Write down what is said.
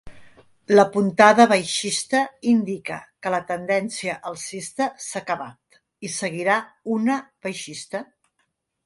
La puntada baixista indica que la tendència alcista s'ha acabat i seguirà una baixista.